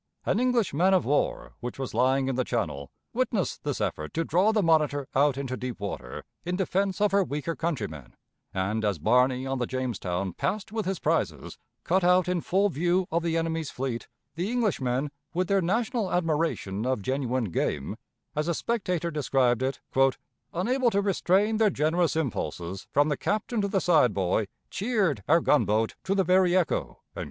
An English man of war, which was lying in the channel, witnessed this effort to draw the Monitor out into deep water in defense of her weaker countrymen, and, as Barney on the Jamestown passed with his prizes, cut out in full view of the enemy's fleet, the Englishmen, with their national admiration of genuine "game," as a spectator described it, "unable to restrain their generous impulses, from the captain to the side boy, cheered our gunboat to the very echo."